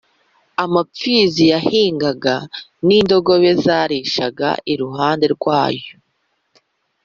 “amapfizi yahingaga n’indogobe zarishaga iruhande rwayo,